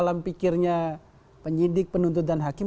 alam pikirnya penyidik penuntutan hakim